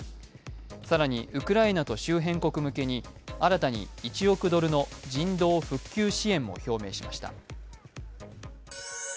更にウクライナと周辺国向けに新たに１億ドルの人道・復旧支援も表明しました。